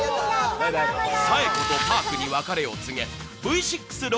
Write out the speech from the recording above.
紗栄子とパークに別れを告げ、Ｖ６６